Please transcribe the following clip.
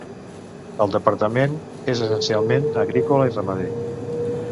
El departament és essencialment agrícola i ramader.